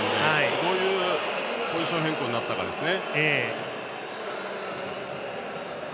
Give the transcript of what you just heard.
どういうポジション変更になったかですね。